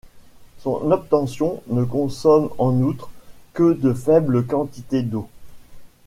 Son obtention ne consomme en outre que de faibles quantités d'eau.